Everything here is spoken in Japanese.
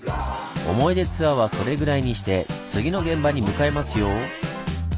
思い出ツアーはそれぐらいにして次の現場に向かいますよ。